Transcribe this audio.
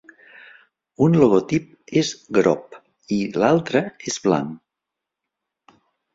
Un logotip és grop i l'altre és blanc.